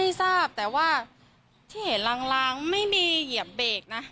ไม่ทราบแต่ว่าที่เห็นลางไม่มีเหยียบเบรกนะ